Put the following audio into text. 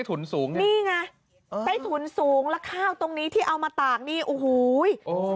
ไต้ถุนครับถูกต้องส่วนแยะโอ้โหย